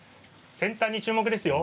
先端に注目ですよ。